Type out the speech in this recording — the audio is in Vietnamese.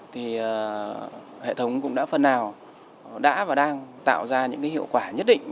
thì hệ thống cũng đã phần nào đã và đang tạo ra những hiệu quả nhất định